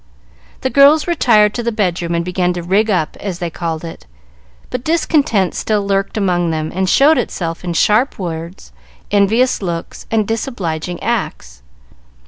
The girls retired to the bedroom and began to "rig up," as they called it; but discontent still lurked among them, and showed itself in sharp words, envious looks, and disobliging acts.